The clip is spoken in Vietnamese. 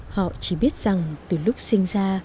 họ chỉ biết rằng từ lúc sinh ra